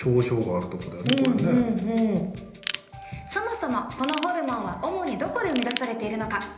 そもそもこのホルモンは主にどこで生み出されているのか。